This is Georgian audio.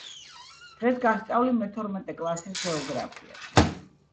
დღეს გასწავლი მეთორმეტე კლასის გეოგრაფიას